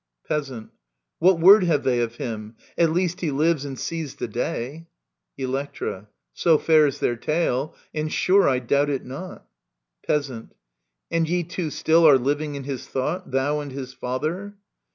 Peasant. What word have they Of him ? At least he lives and sees the day i Electra. So fares their tale — and sure I doubt it not I Peasant. And ye two still are living in his thought, Thou and his father